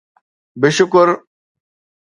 بشڪر